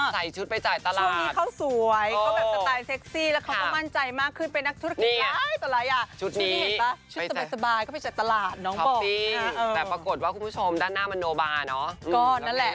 พูดถึงเรื่องบ้านก็เรื่องคนนี้เลย